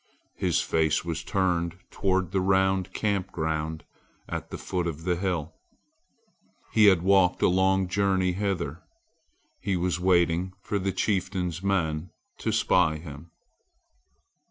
His face was turned toward the round camp ground at the foot of the hill. He had walked a long journey hither. He was waiting for the chieftain's men to spy him.